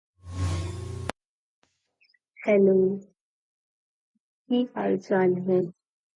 They thereby relinquish themselves of a tough contender.